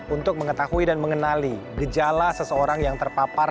untuk mengetahui dan mengenali gejala seseorang yang terpapar